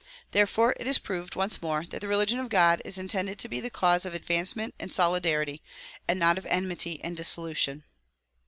Therefore it is proved once more that the religion of God is intended to be the c^use of advancement and solidarity and not of enmity and dissolution.